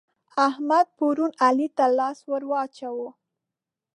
احمد پرون علي ته لاس ور واچاوو.